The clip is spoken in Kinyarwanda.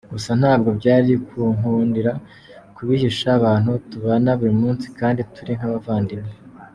Gusa ntabwo byari kunkundira kubihisha abantu tubana buri munsi kandi turi nk’abavandimwe.